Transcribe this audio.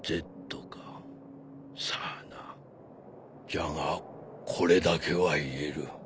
じゃがこれだけは言える。